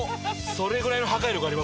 それぐらいの破壊力ある。